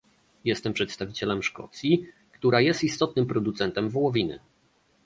Jestem przedstawicielem Szkocji, która jest istotnym producentem wołowiny